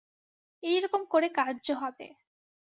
এই রকম করে কার্য হবে।